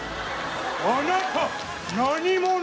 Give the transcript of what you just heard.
あなた何者？